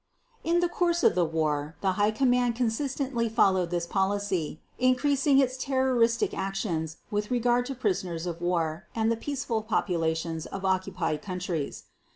." In the course of the war the High Command consistently followed this policy, increasing its terroristic actions with regard to prisoners of war and the peaceful populations of occupied countries.